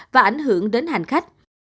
và ảnh hưởng đến hành khách